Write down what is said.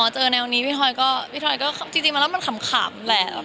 อ๋อเจอแนวนี้พี่ทอยก็จริงมาแล้วมันขำแหละ